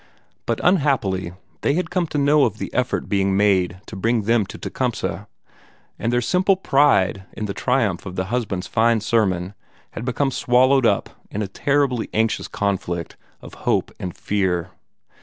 But unhappily they had come to know of the effort being made to bring them to Tecumseh; and their simple pride in the triumph of the husband's fine sermon had become swallowed up in a terribly anxious conflict of hope and fear.